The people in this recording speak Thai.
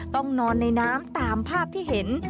ต้องนอนในน้ำตามภาพที่เห็น